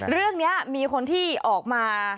เรียกใหม่